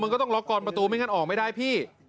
มันก็ต้องล็อกกอนประตูไม่งั้นออกไม่ได้พี่